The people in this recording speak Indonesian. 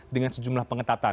dengan sejumlah pengetatan